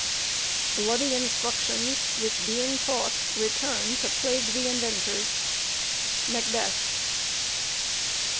Bloody instructions, which being taught, return To plague the inventors. MACBETH.